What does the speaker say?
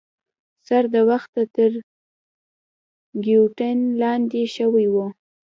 سر د وخته تر ګیوتین لاندي شوی وو.